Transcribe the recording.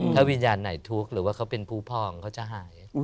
ถ้าวิญญาณไหนทุกข์หรือว่าเขาเป็นผู้พองเขาจะหาย